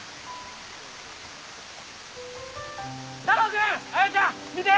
太郎くん彩ちゃん見て！